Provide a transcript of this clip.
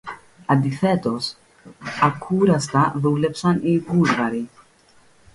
Αντιθέτως, ακούραστα δούλεψαν οι Βούλγαροι